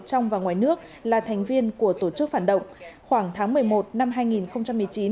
trong và ngoài nước là thành viên của tổ chức phản động khoảng tháng một mươi một năm hai nghìn một mươi chín